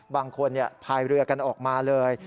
บางคนภายเรือกันออกมาเลย